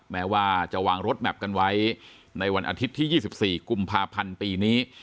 แม้ว่าจะวางรถแมพกันไว้ในวันอาทิตย์ที่๒๔กุมภาพันธ์ปีนี้